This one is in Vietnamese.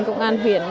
công an huyện